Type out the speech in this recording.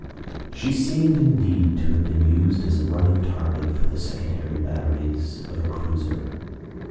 She seemed, indeed, to have been used as a running target for the secondary batteries of a cruiser.